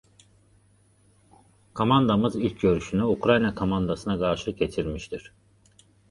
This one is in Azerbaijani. Komandamız ilk görüşünü Ukrayna komandasına qarşı keçirmişdir.